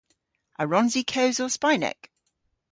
A wrons i kewsel Spaynek?